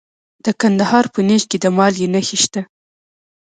د کندهار په نیش کې د مالګې نښې شته.